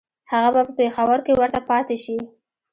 هغه به په پېښور کې ورته پاته شي.